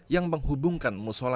yang menghubungkan musola